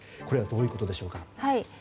これはどういうことでしょうか。